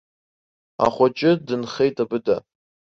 Ахәыҷы дынхеит абыда.